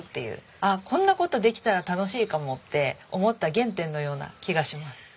「あっこんな事できたら楽しいかも」って思った原点のような気がします。